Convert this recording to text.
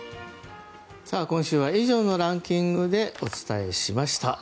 今週は以上のランキングでお伝えしました。